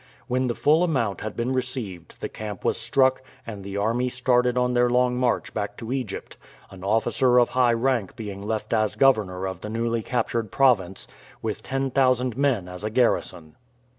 When the full amount had been received the camp was struck and the army started on their long march back to Egypt, an officer of high rank being left as governor of the newly captured province, with ten thousand men as a garrison.